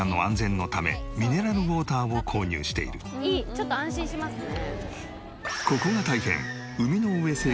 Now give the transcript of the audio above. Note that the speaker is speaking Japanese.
ちょっと安心しますね。